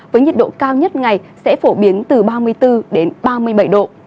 với nhiệt độ cao nhất ngày sẽ phổ biến từ ba mươi bốn đến ba mươi bảy độ